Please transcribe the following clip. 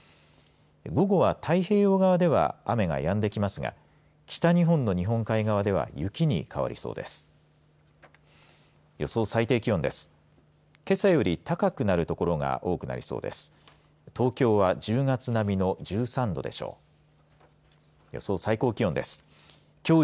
午後は、太平洋側では雨がやんできますが北日本の日本海側では雪に変わりそうです。